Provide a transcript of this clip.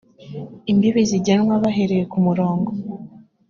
imbibi zigenwa bahereye ku murongo